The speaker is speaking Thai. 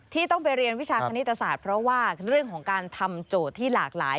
ต้องไปเรียนวิชาคณิตศาสตร์เพราะว่าเรื่องของการทำโจทย์ที่หลากหลาย